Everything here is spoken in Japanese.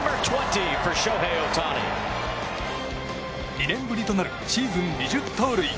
２年ぶりとなるシーズン２０盗塁。